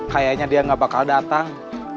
kayaknya dia gak bakal datang